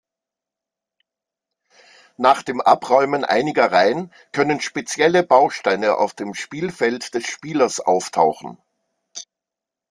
Nach dem Abräumen einiger Reihen können spezielle Bausteine auf dem Spielfeld des Spielers auftauchen.